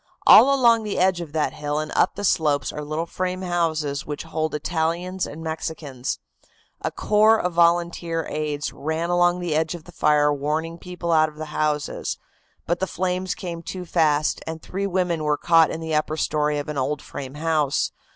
All along the edge of that hill and up the slopes are little frame houses which hold Italians and Mexicans. A corps of volunteer aides ran along the edge of the fire, warning people out of the houses. But the flames ran too fast and three women were caught in the upper story of an old frame house.